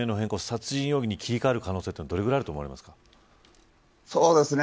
殺人容疑に切り替える可能性はどれぐらいあると思われますか。